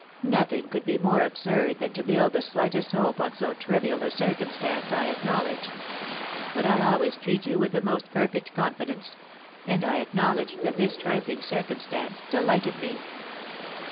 Nothing could be more absurd than to build the slightest hope on so trivial a circumstance, I acknowledge; but I always treat you with the most perfect confidence, and I acknowledge that this trifling circumstance delighted me.